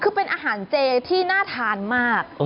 คือเป็นอาหารเจที่น่าทานมาก